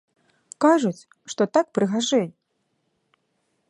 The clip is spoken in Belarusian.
Кажуць, што так прыгажэй.